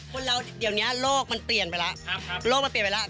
พวกเราเดี๋ยวเนี้ยโลกมันเปลี่ยนไปแล้วครับครับโลกมันเปลี่ยนไปแล้ว